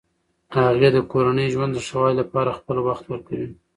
هغې د کورني ژوند د ښه والي لپاره خپل وخت ورکوي.